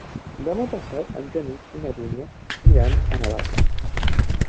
Demà passat en Genís i na Dúnia iran a Navàs.